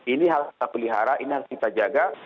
ini hal pelihara ini harus kita jaga